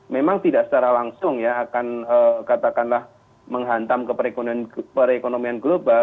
memang tidak secara langsung ya akan katakanlah menghantam ke perekonomian global